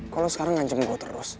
kok lo sekarang ngancem gue terus